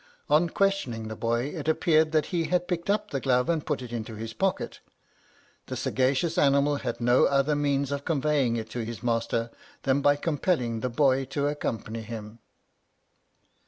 On questioning the boy, it appeared that he had picked up the glove and put it into his pocket. The sagacious animal had no other means of conveying it to his master than by compelling the boy to accompany him.